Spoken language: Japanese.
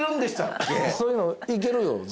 そういうのいけるよ